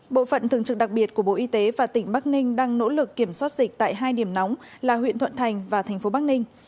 bộ phận thường trực đặc biệt của bộ y tế và tỉnh bắc ninh đang nỗ lực kiểm soát dịch tại hai điểm nóng là huyện thuận thành và thành phố bắc ninh